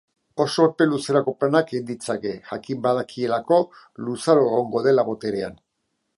Oso epe luzerako planak egin ditzake jakin badakielako luzaro egongo dela boterean.